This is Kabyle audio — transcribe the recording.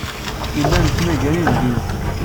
Nella nettmagar inebgiwen.